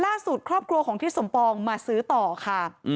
ครอบครัวของทิศสมปองมาซื้อต่อค่ะ